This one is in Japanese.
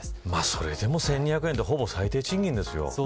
それでも１２００円ってほぼ最低賃金ですよ。